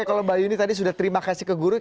tapi kalau mbak yuni tadi sudah terima kasih ke guru